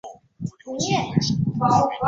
离开店时间还有两个小时